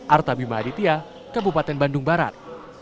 arta bima aditya kabupaten bandung barat